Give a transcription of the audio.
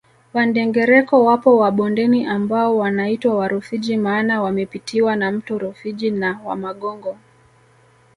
Wandengereko wapo wa bondeni ambao wanaitwa Warufiji maana wamepitiwa na mto Rufiji na Wamagongo